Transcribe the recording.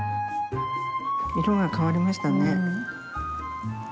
色が変わりましたね。